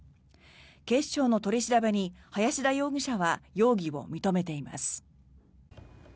警視庁の取り調べに林田容疑者は容疑を認めています。